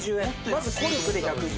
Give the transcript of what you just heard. まずコルクで１１０円で。